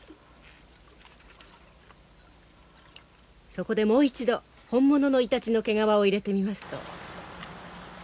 そこでもう一度本物のイタチの毛皮を入れてみますと。